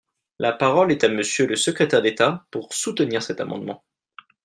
La parole est à Monsieur le secrétaire d’État, pour soutenir cet amendement.